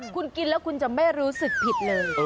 คุณกินแล้วคุณจะไม่รู้สึกผิดเลย